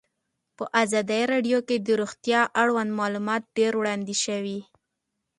په ازادي راډیو کې د روغتیا اړوند معلومات ډېر وړاندې شوي.